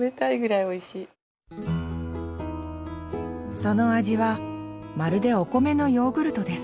その味はまるでお米のヨーグルトです。